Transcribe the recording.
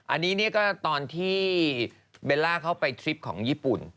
อันนี้ก็ตอนที่เบลล่าเข้าไปทริปของญี่ปุ่น